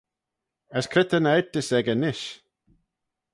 As cre ta'n eiyrtys echey nish?